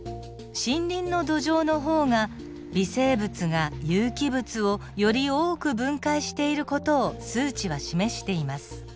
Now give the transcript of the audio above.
森林の土壌の方が微生物が有機物をより多く分解している事を数値は示しています。